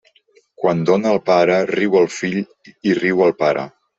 Quan dóna el pare, riu el fill i riu el pare.